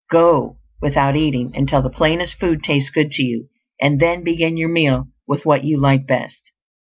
Go without eating until the plainest food tastes good to you; and then begin your meal with what you like best.